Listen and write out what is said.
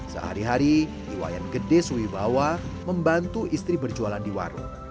sehari hari wayan gede sui bawah membantu istri berjualan di warung